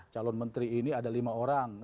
calon menteri ini ada lima orang